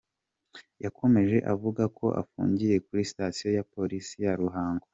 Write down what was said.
Yakomeje avuga ko afungiye kuri Sitasiyo ya Polisi ya Ruhango.